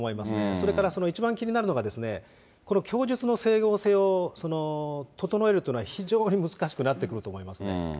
それから一番気になるのが、この供述の整合性を整えるっていうのは、非常に難しくなってくると思いますね。